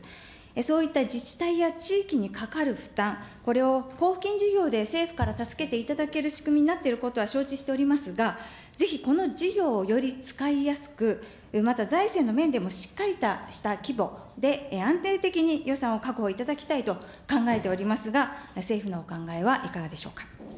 そういった自治体や地域にかかる負担、これを交付金事業で、政府から助けていただける仕組みになっていることは承知しておりますが、ぜひこの事業をより使いやすく、また財政の面でもしっかりとした規模で、安定的に予算を確保いただきたいと考えておりますが、政府のお考えはいかがでしょうか。